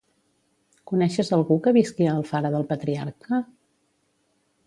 Coneixes algú que visqui a Alfara del Patriarca?